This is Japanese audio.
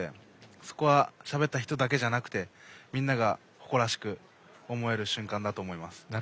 そこはしゃべった人だけじゃなくてみんなが誇らしく思える瞬間だと思います。